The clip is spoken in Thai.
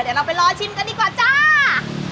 เดี๋ยวเราไปรอชิมกันดีกว่าจ้า